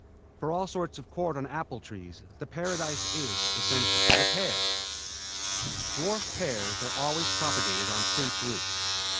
For all sorts of cordon apple trees, the Paradise is essential. THE PEAR Dwarf pears are always propagated on quince roots.